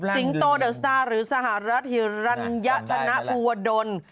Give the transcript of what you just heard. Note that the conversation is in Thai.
สิงโตเดอะสตาร์หรือสหรัฐธิรัญญาธนาภูเวอร์ดน